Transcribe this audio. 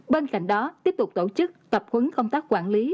bên cạnh đó tiếp tục tổ chức tập huấn công tác quản lý